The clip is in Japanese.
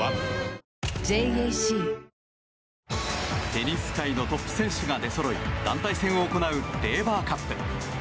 テニス界のトップ選手が出そろい団体戦を行うレーバーカップ。